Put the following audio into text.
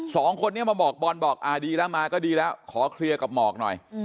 สองคนนี้มาบอกบอลบอกอ่าดีแล้วมาก็ดีแล้วขอเคลียร์กับหมอกหน่อย